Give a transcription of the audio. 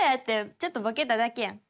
ちょっとボケただけやん。